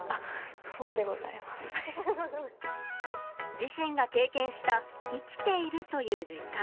自身が経験した生きているという実感。